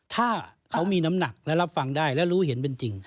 ถ้าเขามีน้ำหนักและรับฟังได้และรู้เห็นเป็นจริง